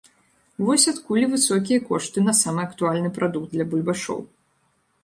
Вось адкуль і высокія кошты на самы актуальны прадукт для бульбашоў.